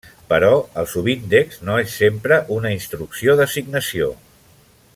Però el subíndex no és sempre una instrucció d'assignació.